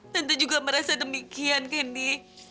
tante juga merasa demikian candy